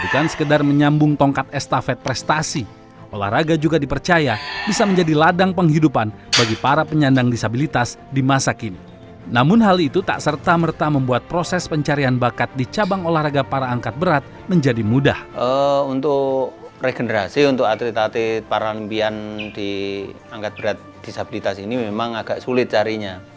ternyata atlet atlet para lempian di angkat berat disabilitas ini memang agak sulit carinya